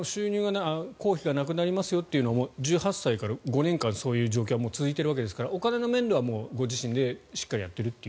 公費がなくなりますよというのも１８歳から５年間そういう状況は続いているわけですからお金の面ではご自身でしっかりやっていると。